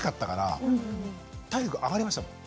体力上がりましたもん。